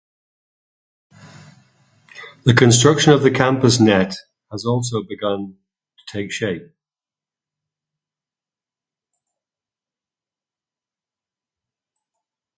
The construction of the campus net has also begun to take shape.